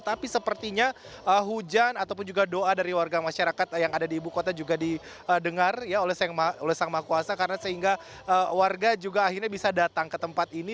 tapi sepertinya hujan ataupun juga doa dari warga masyarakat yang ada di ibu kota juga didengar oleh sang maha kuasa karena sehingga warga juga akhirnya bisa datang ke tempat ini